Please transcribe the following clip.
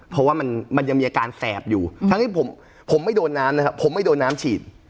เพราะว่ามันยังมีอาการแสบอยู่ทั้งที่ผมไม่โดนน้ำนะครับผมไม่โดนน้ำฉีด